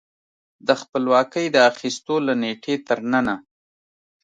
د خپلواکۍ د اخیستو له نېټې تر ننه